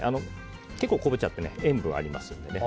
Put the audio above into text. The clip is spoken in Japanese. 結構、昆布茶って塩分がありますのでね。